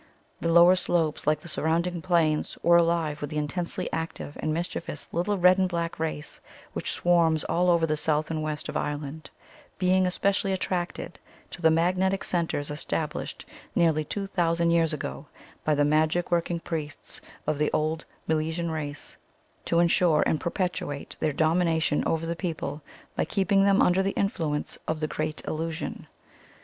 The lower slopes, like the surrounding plains, were alive with the intensely active and mischievous little red and black race which swarms all over the south and west of Ireland, being especially attracted to the magnetic centres established nearly two thousand years ago by the magic working priests of the old Milesian race to ensure and perpetuate their domination over the people by keeping them under the influence of the great illusion.